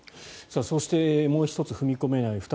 そして、もう１つ踏み込めない